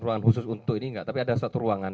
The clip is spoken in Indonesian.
ruangan khusus untuk ini enggak tapi ada satu ruangan